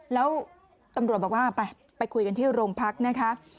แล้วตำรวจบอกว่าไปคุยกันที่โรงพักนะคะ